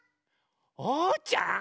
おうちゃん？